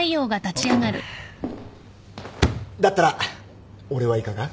だったら俺はいかが？